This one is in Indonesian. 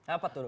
apa tuh do